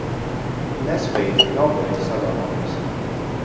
Nespīd, nav ko lieki sadomāties.